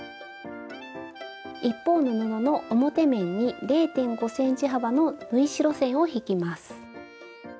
一方の布の表面に０．５ｃｍ幅の縫い代線を引きます。